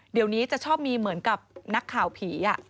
เดี๋ยวนี้จะชอบมีเหมือนกับนักข่าวผี